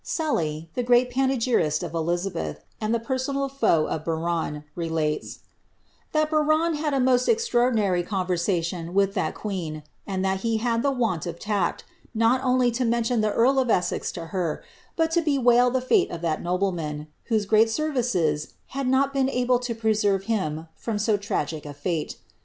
Sully, the great panegyrist of Elizabeth, and the personal foe of Biron, teiates ^that Biron had a most extraordinary conversation with that qneea, and that he had the want of tact, not only to mention the earl of Essex to her, but to bewail the fate of that nobleman, whose great ■erviccs had not been able to preserve him from so tragical a iate.